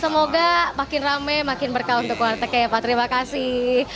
semoga makin rame makin berkah untuk warteg ya pak terima kasih